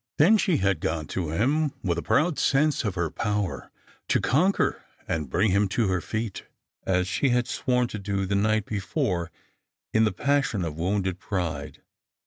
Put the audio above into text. Then she had gone to him with a proud sense of her power to conquer and bring him to her feet, as she had sworn to do the night before in the passion of wounded pride.